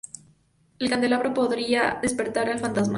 El candelabro podría despertar al fantasma.